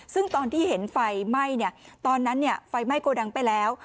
ซึ่งตอนที่เห็นไฟไหม้ตอนนั้นไฟไหม้โกดังไปแล้ว